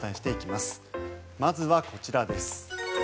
まずはこちらです。